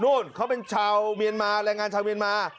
นู่นเขาเป็นชาวเมียนมาแรงงานชาวเมียนมา